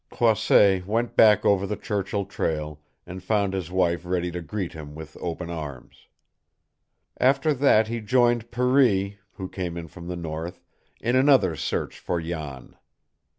Croisset went back over the Churchill trail, and found his wife ready to greet him with open arms. After that he joined Per ee, who came in from the north, in another search for Jan.